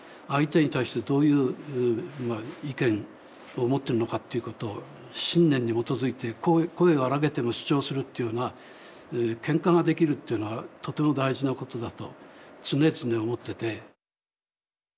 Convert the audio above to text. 相手に対してどういう意見を持ってるのかっていうことを信念に基づいて声を荒げても主張するっていうのはけんかができるっていうのはとても大事なことだと常々思ってて。